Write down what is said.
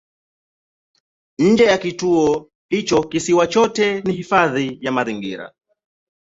Nje ya kituo hicho kisiwa chote ni hifadhi ya mazingira.